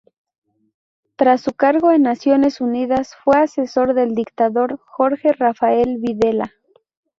Tras su cargo en Naciones Unidas, fue asesor del dictador Jorge Rafael Videla.